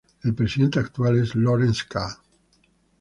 El presidente actual es Laurence Kahn.